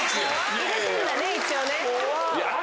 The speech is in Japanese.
入れてんだね一応ね。